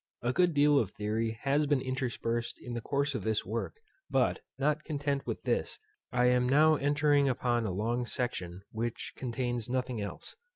A good deal of theory has been interspersed in the course of this work, but, not content with this, I am now entering upon a long section, which contains nothing else.